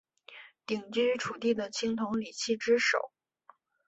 鼎居楚地的青铜礼器之首。